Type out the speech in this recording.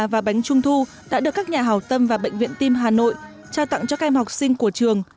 và bánh trung thu đã được các nhà hào tâm và bệnh viện tim hà nội trao tặng cho các em học sinh của trường